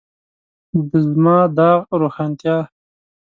د زما داغ روښانتیا.